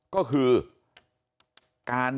ก็คือการ